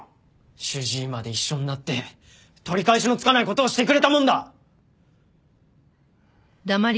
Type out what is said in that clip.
主治医まで一緒になって取り返しのつかない事をしてくれたもんだ！